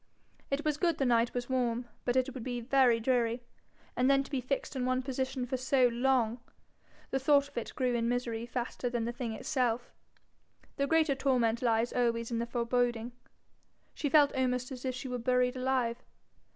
It was good the night was warm, but it would be very dreary. And then to be fixed in one position for so long! The thought of it grew in misery faster than the thing itself. The greater torment lies always in the foreboding. She felt almost as if she were buried alive.